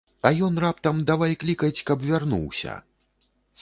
А ён раптам давай клікаць, каб вярнуўся.